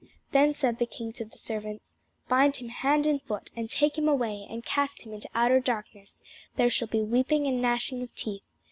Then said the king to the servants, Bind him hand and foot, and take him away, and cast him into outer darkness; there shall be weeping and gnashing of teeth.